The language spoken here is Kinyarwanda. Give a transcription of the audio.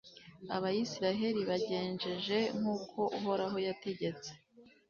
abayisraheli bagenjeje nk'uko uhoraho yategetse